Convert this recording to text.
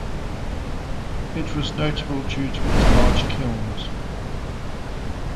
It was notable due to its large kilns.